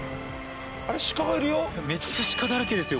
めっちゃ鹿だらけですよ